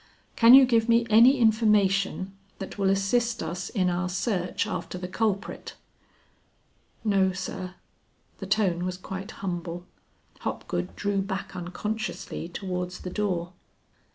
Can you give me any information that will assist us in our search after the culprit?" "No sir." The tone was quite humble, Hopgood drew back unconsciously towards the door.